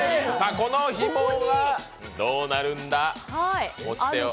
このひもがどうなるんだ？